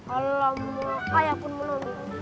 alamak ayah pun mau nonton